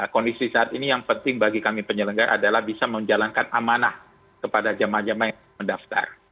kondisi saat ini yang penting bagi kami penyelenggara adalah bisa menjalankan amanah kepada jemaah jemaah yang mendaftar